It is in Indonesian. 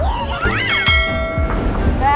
wow ada apa apa